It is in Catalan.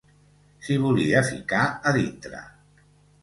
S'hi volia ficar a dintre